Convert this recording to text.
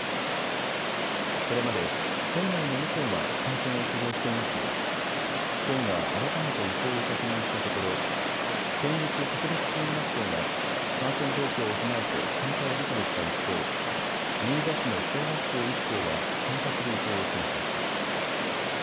これまで県内の２校が観戦を希望していましたが県が改めて意向を確認したところ県立特別支援学校が感染状況を踏まえて参加を辞退した一方新座市の小学校１校は参加する意向を示しました。